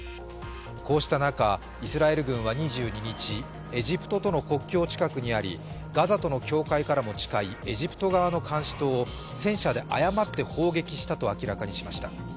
こうした中、イスラエル軍は２２日、エジプトとの国境近くにありガザとの境界からも近いエジプト側の監視塔を戦車で誤って砲撃したと明らかにしました。